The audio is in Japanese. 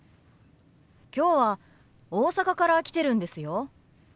今日は大阪から来てるんですよ。